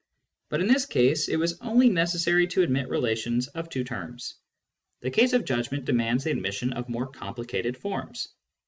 But in this case it was only necessary to admit relations of two terms. The case of judgment demands the admission of more complicated forms.